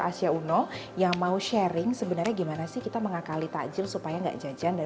asia uno yang mau sharing sebenarnya gimana sih kita mengakali takjil supaya enggak jajan dan